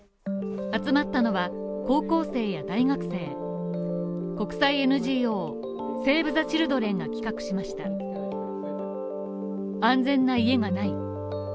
集まったのは高校生や大学生国際ＮＧＯ、セーブ・ザ・チルドレンが企画しました安全な家がない。